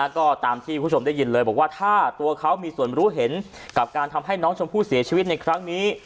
ก็ตามที่คุณผู้ชมได้ยินเลยบอกว่าถ้าตัวเขามีส่วนรู้เห็นกับการทำให้น้องชมพู่เสียชีวิตในครั้งนี้